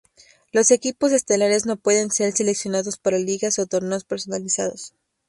Los equipos estelares no pueden ser seleccionados para ligas o torneos personalizados.